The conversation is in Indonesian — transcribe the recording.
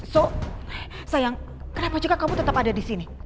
so sayang kenapa kamu tetap ada disini